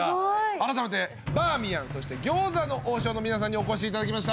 改めてバーミヤンそして餃子の王将の皆さんにお越しいただきました